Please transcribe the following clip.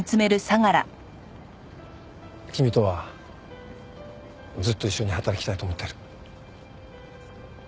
君とはずっと一緒に働きたいと思ってる。